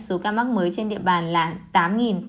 số ca mắc mới trên địa bàn là tám tám trăm sáu mươi bốn